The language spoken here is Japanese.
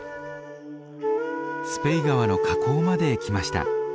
スペイ川の河口まで来ました。